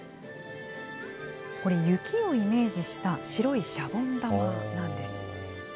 これ、雪をイメージした白いシャボン玉なんです。